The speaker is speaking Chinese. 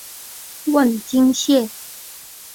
瓮津线